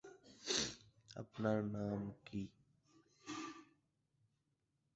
আপনার নাম কি?